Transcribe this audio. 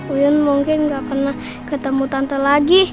uyan mungkin gak pernah ketemu tante lagi